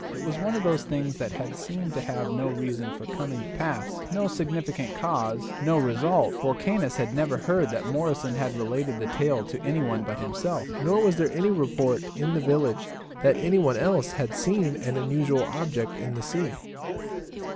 It was one of those things that seem to have no reason for coming to pass, no sufficient cause and no result, for Caius never heard that Morrison had related the tale to anyone but himself, nor was there any report in the village that anyone else had seen an unusual object in the sea.